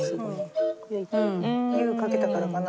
湯かけたからかな？